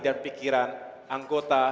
dan pikiran anggota